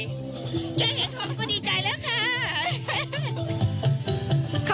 จะเห็นของก็ดีใจแล้วค่ะ